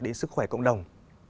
đến sức khỏe cộng đồng